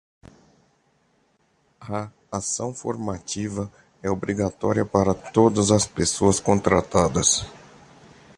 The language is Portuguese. A ação formativa é obrigatória para todas as pessoas contratadas.